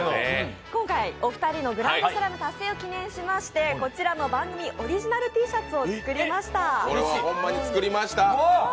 今回お二人のグランドスラム達成を記念しまして、こちらの番組オリジナルＴシャツを用意しました。